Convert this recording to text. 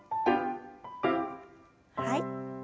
はい。